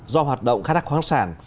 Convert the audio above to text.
do hoạt động khai thác khoáng sản